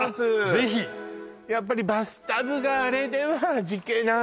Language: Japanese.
ぜひやっぱりバスタブがあれでは味気ない